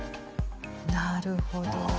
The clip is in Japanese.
なるほど。